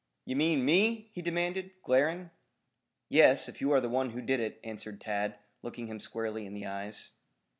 "Ye mean me?" he demanded, glaring. "Yes, if you are the one who did it," answered Tad, looking him squarely in the eyes.